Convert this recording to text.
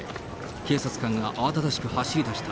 警察官が慌ただしく走り出した。